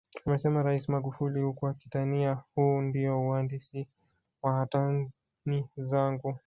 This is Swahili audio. Amesema Rais Magufuli huku akitania huu ndiyo uhandisi wa watani zangu